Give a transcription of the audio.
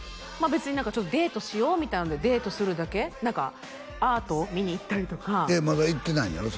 別に何かちょっとデートしようみたいなのでデートするだけ何かアートを見に行ったりとかまだ行ってないんやろ？